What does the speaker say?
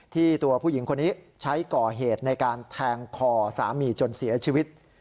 ตัวผู้หญิงคนนี้ใช้ก่อเหตุในการแทงคอสามีจนเสียชีวิต